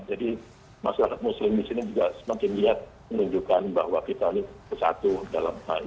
jadi masyarakat muslim di sini juga semakin niat menunjukkan bahwa kita ini bersatu dalam ibadah kita